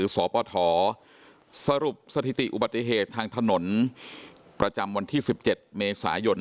สปทสรุปสถิติอุบัติเหตุทางถนนประจำวันที่๑๗เมษายน